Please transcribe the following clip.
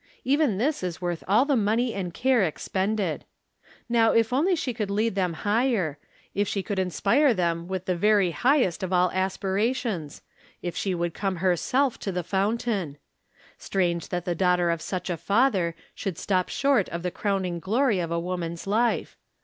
Even this is worth aU the money and care ex pended. Now, if only she could lead them higher — if she could inspire them with the very highest of all aspirations — ^if she would come her self to the fountain ! Strange that the daughter of such a father should stop short of the crowning glory of a woman's life.